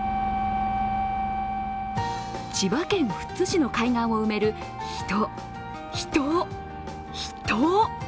千葉県富津市の海岸を埋める人、人、人。